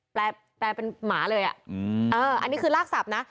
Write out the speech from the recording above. แปลเป็นหมาเลยอะอันนี้คือรากศัพท์นะ